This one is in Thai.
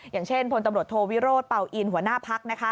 อย่างเช่นพลตำรวจโทวิโรธเป่าอินหัวหน้าพัก